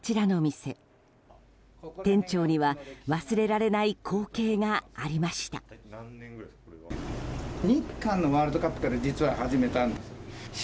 店長には忘れられない光景がありました。